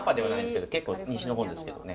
結構西の方ですけどね。